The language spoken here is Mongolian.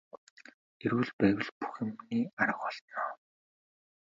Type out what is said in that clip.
Эрүүл байвал бүх юмны арга олдоно.